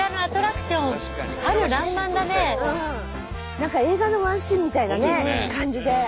何か映画のワンシーンみたいな感じで。